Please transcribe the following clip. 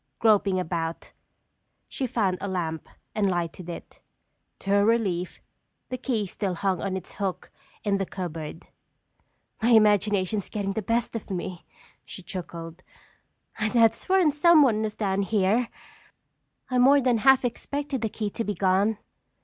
Groping about, she found a lamp and lighted it. To her relief, the key still hung on its hook in the cupboard. "My imagination is getting the best of me!" she chuckled. "I'd have sworn someone was down here. I more than half expected the key to be gone."